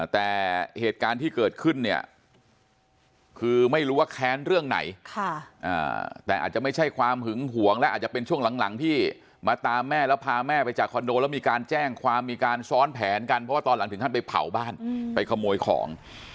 แต่เหตุการณ์ที่เกิดขึ้นเนี่ยคือไม่รู้ว่าแค้นเรื่องไหนแต่อาจจะไม่ใช่ความหึงหวงและอาจจะเป็นช่วงหลังที่มาตามแม่แล้วพาแม่ไปจากคอนโดแล้วมีการแจ้งความมีการซ้อนแผนกันเพราะว่าตอนหลังถึงขั้นไปเผาบ้านไปขโมยของ